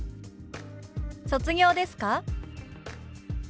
「卒業ですか？」。